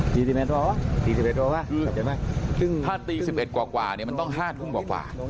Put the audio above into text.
ตีสิบเอ็ดหรอตีสิบเอ็ดหรอว่ะถ้าตีสิบเอ็ดกว่ากว่าเนี่ยมันต้องห้าทุ่มกว่ากว่า